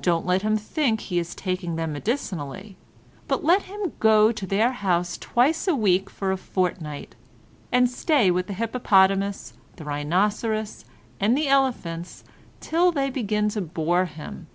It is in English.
Don't let him think he is taking them medicinally, but let him go to their house twice a week for a fortnight, and stay with the hippopotamus, the rhinoceros, and the elephants, till they begin to bore him.